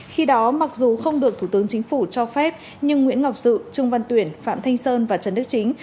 khi đó mặc dù không được thủ tướng chính phủ cho phép nhưng nguyễn ngọc sự trung văn tuyển phạm thanh sơn và trần đức chính